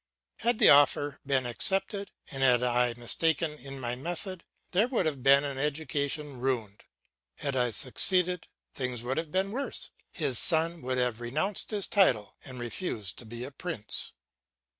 Had the offer been accepted, and had I been mistaken in my method, there would have been an education ruined; had I succeeded, things would have been worse his son would have renounced his title and refused to be a prince.